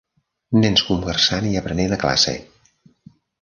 Nens conversant i aprenent a classe.